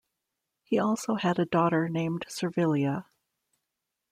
He also had a daughter named Servilia.